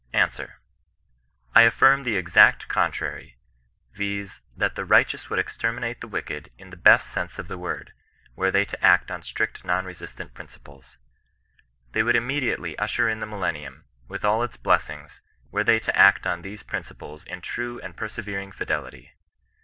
Aif SWEB. — I affirm the exact contrary ; viz. that the righteous would exterminate the wicked in the best sense of the word, were they to act on strict non resist ant principles. They would immediately usher in the millennium, with all its blessings, were they to act on these principles in true and persevering fidelity.